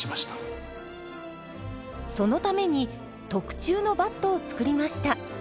そのために特注のバットを作りました。